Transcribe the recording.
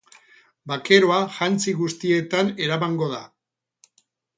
Bakeroa jantzi guztietan eramango da.